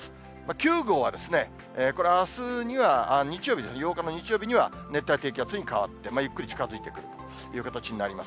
９号は、これはあすには日曜日、８日の日曜日には熱帯低気圧に変わって、ゆっくり近づいてくるという形になります。